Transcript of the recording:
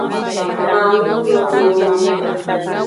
Mawu lonlonu.